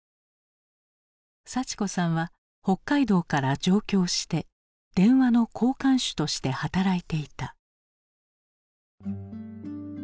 幸子さんは北海道から上京して電話の交換手として働いていた。